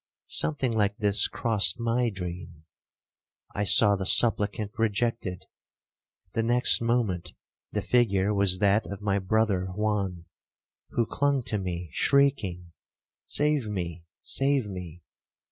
Something like this crossed my dream. I saw the supplicant rejected; the next moment the figure was that of my brother Juan, who clung to me, shrieking, 'Save me, save me.'